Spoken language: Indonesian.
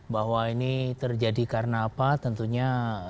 bahwa ini terjadi karena apa tentunya